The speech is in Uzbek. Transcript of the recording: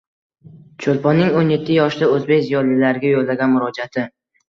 Cho‘lponning o‘n yetti yoshida o‘zbek ziyolilariga yo‘llagan murojaati